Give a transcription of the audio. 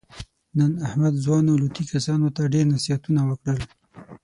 نن احمد ځوانو لوطي کسانو ته ډېر نصیحتونه وکړل.